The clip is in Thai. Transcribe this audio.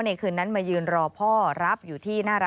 มันเกิดเหตุเป็นเหตุที่บ้านกลัว